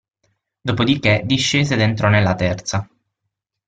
Dopodiché discese ed entrò nella terza.